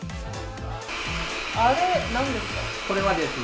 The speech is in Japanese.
あれ、なんですか？